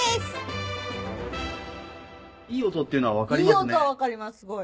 いい音は分かりますすごい。